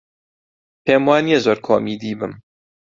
پێم وا نییە زۆر کۆمیدی بم.